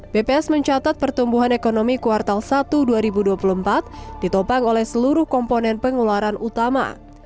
bps mencatat pertumbuhan ekonomi kuartal satu dua ribu dua puluh empat ditopang oleh seluruh komponen pengeluaran utama